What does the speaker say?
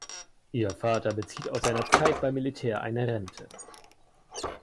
Ihr Vater bezieht aus seiner Zeit beim Militär eine Rente.